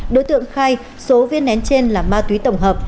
đối tượng khai số viên nén trên là ma túy tổng hợp